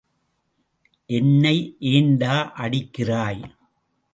என்னை ஏண்டா அடிக்கிறாய்?